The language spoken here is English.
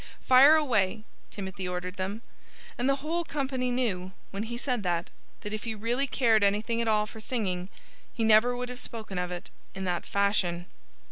"Fire away!" Timothy ordered them. And the whole company knew, when he said that, that if he really cared anything at all for singing he never would have spoken of it in that fashion.